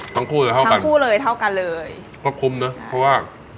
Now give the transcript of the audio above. ทั้งคู่เลยเท่ากันทั้งคู่เลยเท่ากันเลยก็คุ้มนะเพราะว่า